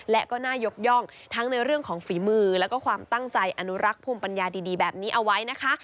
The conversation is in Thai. และก็น่ายกย่องทั้งในเรื่องของฝีมือแล้วก็ความตั้งใจอนุรักษ์ภูมิปัญญาดีแบบนี้เอาไว้นะคะ